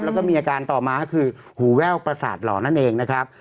แล้วก็มีอาการต่อมาก็คือหูแว่วประสาทหล่อนั่นเองนะครับ